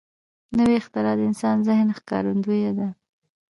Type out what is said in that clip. نوې اختراع د انسان ذهن ښکارندوی ده